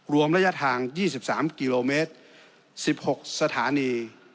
รวมระยะทาง๒๓กิโลเมตร๑๖สถานี